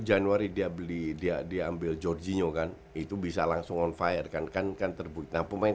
januari dia beli dia diambil jorginho kan itu bisa langsung on fire kan kan kan terbuka pemain